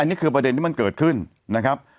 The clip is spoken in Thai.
นี่คือประเด็นที่มันเกิดขึ้นนะครับ